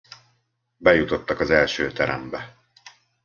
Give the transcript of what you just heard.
Bejutottak az első terembe.